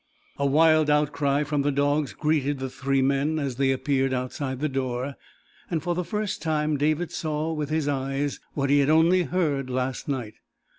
A wild outcry from the dogs greeted the three men as they appeared outside the door, and for the first time David saw with his eyes what he had only heard last night.